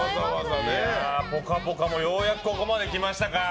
「ぽかぽか」もようやくここまで来ましたか。